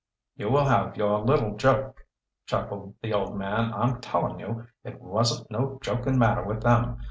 "You will have your little joke," chuckled the old man. "I'm tellin' you it wasn't no joking matter with them.